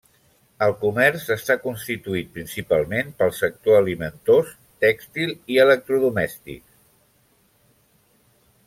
El comerç està constituït principalment pel sector alimentós, tèxtil i electrodomèstics.